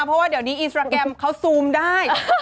เพราะว่าเดี๋ยวนี้อินสตราแกรมเขาซูมได้